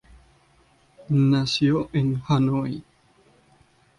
Nació en Hanoi.